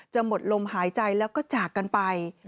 หมดลมหายใจแล้วก็จากกันไป